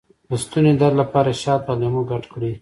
د ستوني درد لپاره شات او لیمو ګډ کړئ